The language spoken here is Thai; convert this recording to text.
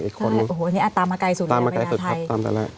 เป็นเป็น๑๐๐คนตามมาไกลสุดเลยนะครับพี่มีนาไทยตามไปแล้ว